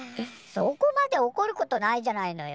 そこまでおこることないじゃないのよ。